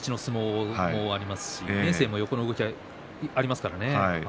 初日の相撲もありますし明生も横の動きがありますからね。